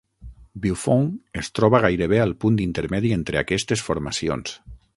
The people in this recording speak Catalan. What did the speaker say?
Buffon es troba gairebé al punt intermedi entre aquestes formacions.